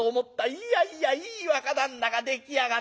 いやいやいい若旦那が出来上がったね。